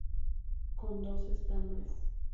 Con dos estambres.